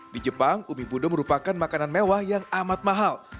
di jepang umi buddha merupakan makanan mewah yang amat mahal